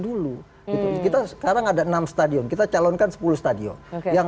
dulu kita sekarang ada enam stadion kita calon kan sepuluh stadion yang lolos enam dari enam masih ada yang